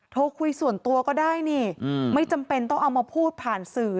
โทรคุยส่วนตัวก็ได้นี่ไม่จำเป็นต้องเอามาพูดผ่านสื่อ